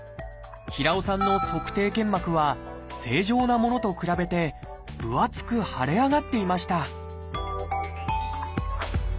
平尾さんの足底腱膜は正常なものと比べて分厚く腫れ上がっていました